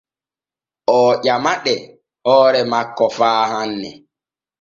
Oo ƴamaɗe hoore makko faa hanne.